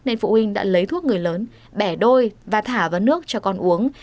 nên phụ huynh đã lấy thuốc người lớn bẻ đôi và thả vào nước cho con uống